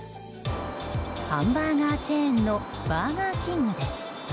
ハンバーガーチェーンのバーガーキングです。